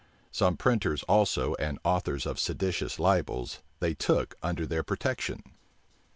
Some printers also and authors of seditious libels they took under their protection.